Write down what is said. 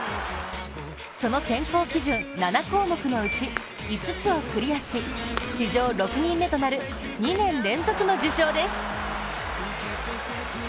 その選考基準、７項目のうち５つをクリアし史上６人目となる２年連続の受賞です。